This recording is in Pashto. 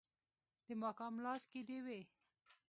د ماښام لاس کې ډیوې